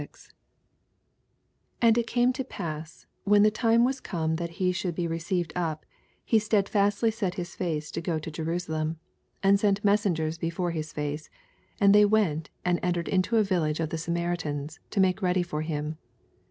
61 And it came to pass, when the tune was come that he should be re ceived up, he stedfastly set his face to go to Jerusalem, 52 And sent messengers before his face : and they went, and entered into a village of uie Samaritans, to make ready for him.